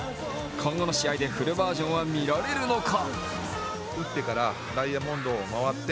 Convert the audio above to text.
今後の試合でフルバージョンは見られるのか？